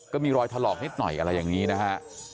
ก็มีรอยถลอกนิดหน่อยอะไรอย่างนี้นะฮะ